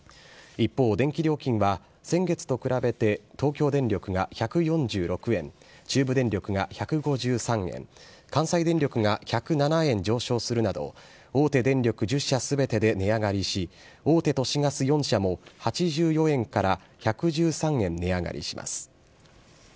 一方、電気料金は、先月と比べて東京電力が１４６円、中部電力が１５３円、関西電力が１０７円上昇するなど、大手電力１０社すべてで値上がりし、大手都市ガス４社も、８４円から１１３円値上がりします。